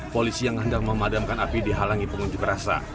polisi yang hendak memadamkan api dihalangi pengunjuk rasa